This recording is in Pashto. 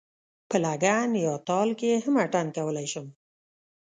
په لګن یا تال کې هم اتڼ کولای شم.